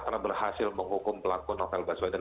karena berhasil menghukum pelaku novel baswedan